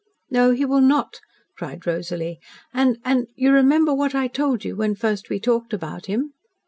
"No, he will not," cried Rosalie. "And and you remember what I told you when first we talked about him?"